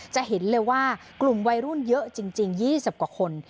จะเห็นเลยว่ากลุ่มวัยรุ่นเยอะจริง๒๐กว่าคน